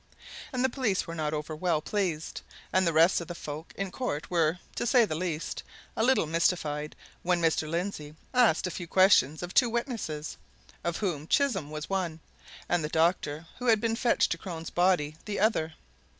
And the police were not over well pleased, and the rest of the folk in court were, to say the least, a little mystified, when Mr. Lindsey asked a few questions of two witnesses of whom Chisholm was one, and the doctor who had been fetched to Crone's body the other.